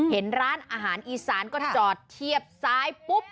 เห็นร้านอาหารอีสานก็จอดเทียบซ้ายปุ๊บ